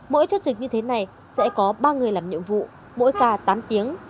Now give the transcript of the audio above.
mỗi chốt trực như thế này sẽ có ba người làm nhiệm vụ mỗi ca tám tiếng